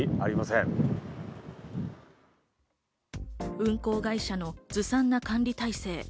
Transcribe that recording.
運航会社のずさんな管理体制。